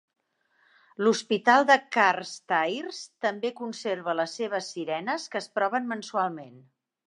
L'hospital de Carstairs també conserva les seves sirenes, que es proven mensualment.